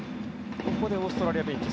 ここでオーストラリアベンチ